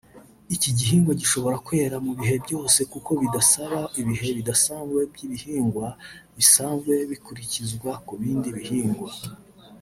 Iki gihingwa gishobora kwera mu bihe byose kuko kidasaba ibihe bidasanzwe byihinga bisanzwe bikurikizwa ku bndi bihingwa